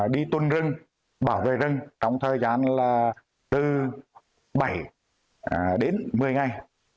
đi tuân rừng bảo vệ rừng trong thời gian từ bảy đến một mươi ngày